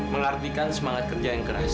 mengartikan semangat kerja yang keras